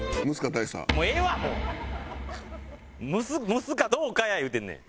蒸すかどうかや言うてんねん。